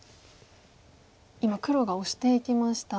今黒がオシていきました。